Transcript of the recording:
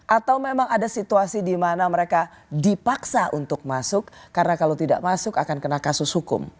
atau memang ada situasi di mana mereka dipaksa untuk masuk karena kalau tidak masuk akan kena kasus hukum